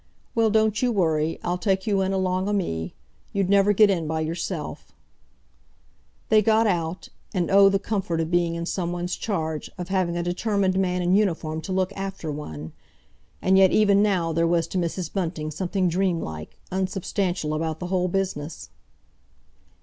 "Well, don't you worry. I'll take you in along o' me. You'd never get in by yourself." They got out; and oh, the comfort of being in some one's charge, of having a determined man in uniform to look after one! And yet even now there was to Mrs. Bunting something dream like, unsubstantial about the whole business.